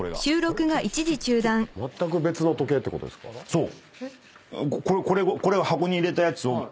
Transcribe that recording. そう。